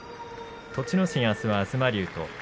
栃ノ心、あすは東龍です。